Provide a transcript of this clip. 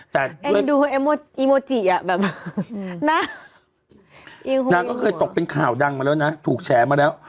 แต่ด้วยนางก็เคยตกเป็นข่าวดังมาแล้วนะถูกแชร์มาแล้ว